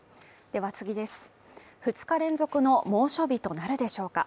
２日連続の猛暑日となるでしょうか？